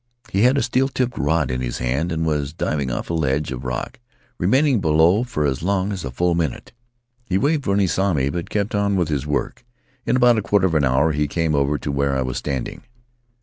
He had a steel tipped rod in his hand and was diving off a ledge of rock, remaining below for as long as a full minute. He waved when he saw me, but kept on with his work. In about a quarter of an hour he came over to where 1 was standing.